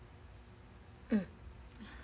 うん。